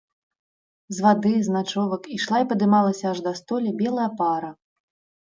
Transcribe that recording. З вады, з начовак, ішла і падымалася аж да столі белая пара.